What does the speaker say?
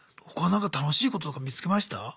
他なんか楽しいこととか見つけました？